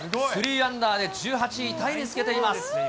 ３アンダーで１８位タイにつけてます。